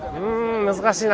難しいな。